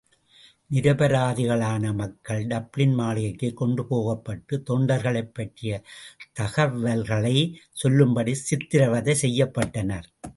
நிரபராதிகளான மக்கள் டப்ளின் மாளிகைக்கு கொண்டுபோகபட்டு, தொண்டர்களைப் பற்றிய தகவல்களைச் சொல்லும்படி சித்திரவதை செய்யப்பட்டனர்.